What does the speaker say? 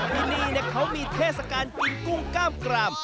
ที่นี่เขามีเทศกาลกินกุ้งกล้ามกราม